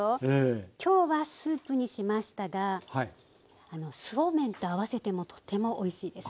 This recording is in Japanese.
今日はスープにしましたがそうめんと合わせてもとてもおいしいです。